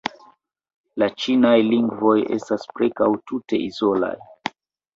La ĉinaj lingvoj estas preskaŭ tute izolaj.